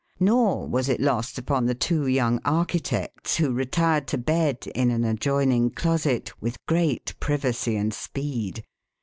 Nor was it lost upon the two young architects, who retired to bed, in an adjoining closet, with great privacy and speed.